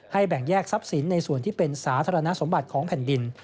แบ่งแยกทรัพย์สินในส่วนที่เป็นสาธารณสมบัติของแผ่นดิน